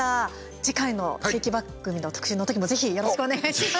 次回の地域番組の特集の時もぜひ、よろしくお願いします。